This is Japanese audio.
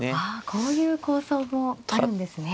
あこういう構想もあるんですね。